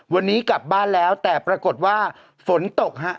วันนี้กลับบ้านแล้วแต่ปรากฏว่าฝนตกฮะ